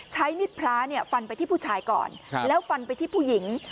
มิดพระฟันไปที่ผู้ชายก่อนแล้วฟันไปที่ผู้หญิง